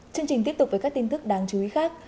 chương trình tiếp tục với các tin tức đáng chú ý khác